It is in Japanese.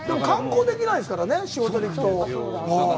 観光できないですからね、仕事で行くと。